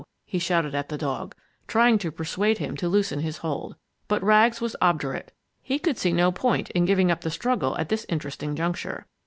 he shouted at the dog, trying to persuade him to loosen his hold. But Rags was obdurate. He could see no point in giving up the struggle at this interesting juncture.